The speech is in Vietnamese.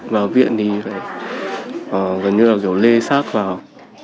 vào viện thì phải gần như là kiểu lê sát vào